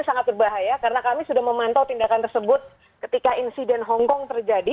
sangat berbahaya karena kami sudah memantau tindakan tersebut ketika insiden hongkong terjadi